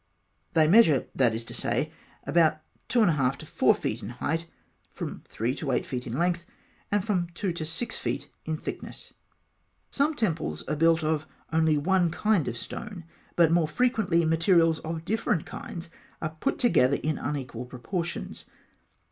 They measure, that is to say, about 2 1/2 to 4 feet in height, from 3 to 8 feet in length, and from 2 to 6 feet in thickness. Some temples are built of only one kind of stone; but more frequently materials of different kinds are put together in unequal proportions.